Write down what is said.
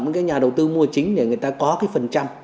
với những nhà đầu tư mua chính để người ta có cái phần trăm